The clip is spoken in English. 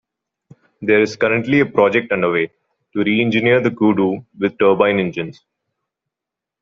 There is currently a project underway to re-engine the Kudu with turbine engines.